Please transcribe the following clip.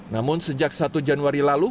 namun sejak satu januari lalu